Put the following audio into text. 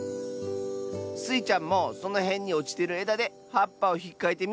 スイちゃんもそのへんにおちてるえだではっぱをひっかいてみ。